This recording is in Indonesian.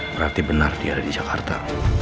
berarti benar dia ada di jakarta